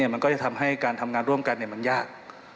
มันก็จะทำให้การทำงานร่วมกันมันยาก